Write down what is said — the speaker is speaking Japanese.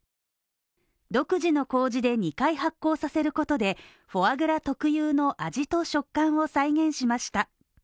独自のこうじで２回、発酵させることでフォアグラ特有の味と食感を再現しました。